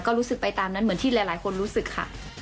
ก็รู้สึกไปตามนั้นเหมือนที่หลายคนรู้สึกค่ะ